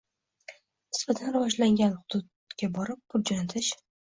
- nisbatan rivojlangan hududga borib pul jo‘natish